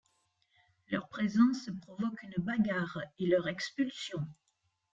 Leur présence provoque une bagarre et leur expulsion.